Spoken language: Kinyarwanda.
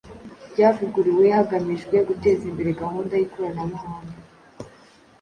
ryavuguruwe hagamijwe guteza imbere gahunda y’ikoranabuhanga